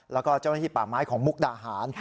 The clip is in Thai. แล้วก็เจ้าหน้าที่ป่าไม้ของมุกดาหาร